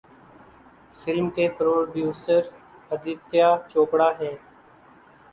Film کے producer Aditya Chopra ہیں۔